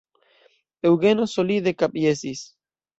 Eŭgeno solide kapjesis.